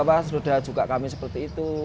saudara juga kami seperti itu